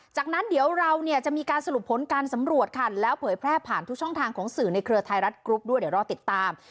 จากนั้นเดี๋ยวเราเนี่ยจะมีการสรุปผลการสำรวจค่ะแล้วเผยแพร่ผ่านทุกช่องทางของสื่อในเครือไทยรัฐกรุ๊ปด้วยเดี๋ยวรอติดตาม